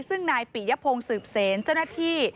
ซึ่งนายปิยพงศ์สืบเซนเจ้าหน้าที่